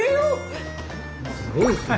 すごいですね。